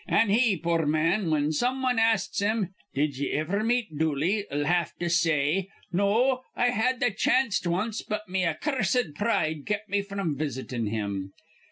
An he, poor man, whin some wan asts him, 'Did ye iver meet Dooley:' 'll have to say, 'No, I had th' chanst wanst, but me ac cursed pride kept me from visitin' him.'